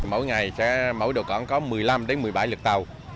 mỗi ngày mỗi đội cận có một mươi năm đến một mươi bảy lực tàu